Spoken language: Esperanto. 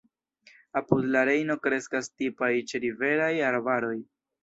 Apud la Rejno kreskas tipaj ĉeriveraj arbaroj.